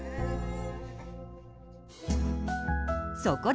そこで！